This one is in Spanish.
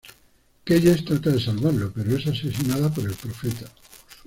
Keyes trata de salvarlo, pero es asesinada por el Profeta.